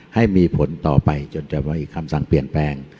ให้มีผลต่อไปจนจะมีคำสั่งเปลี่ยนแปลง